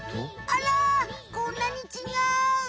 あらこんなにちがう。